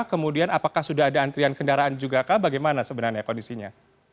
kemudian apakah sudah ada antrian kendaraan juga kah bagaimana sebenarnya kondisinya